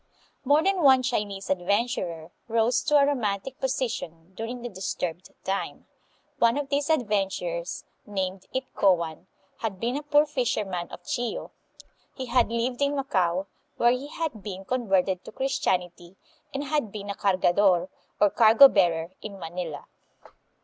More than one Chinese adventurer rose to a romantic position during this disturbed time. One of these adven turers, named It Coan, had been a poor fisherman of Chio. He had lived in Macao, where he had been con verted to Christianity, and had been a cargador, or cargo bearer, in Manila.